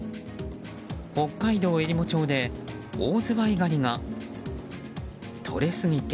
北海道えりも町でオオズワイガニがとれすぎて。